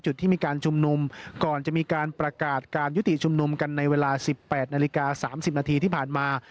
ที่มีการชุมนุมก่อนจะมีการประกาศการยุติชุมนุมกันในเวลา๑๘นาฬิกา๓๐นาทีที่ผ่านมา